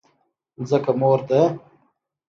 ځمکه مور ده؟